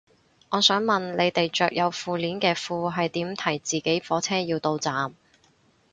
我想問你哋着有褲鏈嘅褲係點提自己火車要到站